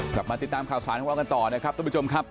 กลับมาติดตามข่าวสารของเรากันต่อนะครับทุกผู้ชมครับ